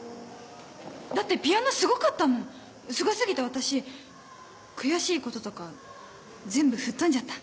だってピアノすごかったもんすご過ぎて私悔しいこととか全部吹っ飛んじゃった。